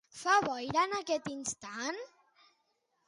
Fa boira en aquest instant?